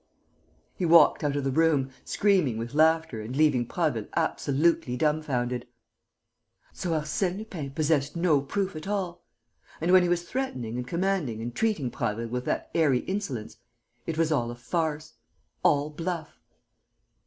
He walked out of the room, screaming with laughter and leaving Prasville absolutely dumbfounded. So Arsène Lupin possessed no proof at all; and, when he was threatening and commanding and treating Prasville with that airy insolence, it was all a farce, all bluff!